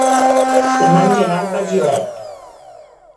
Demà en Gerard va a Gilet.